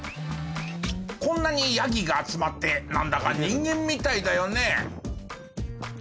こんなにヤギが集まってなんだか人間みたいだよね。